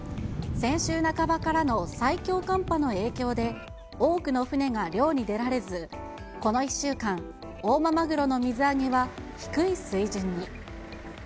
先週半ばからの最強寒波の影響で、多くの船が漁に出られず、この１週間、大間マグロの水揚げは低い水準に。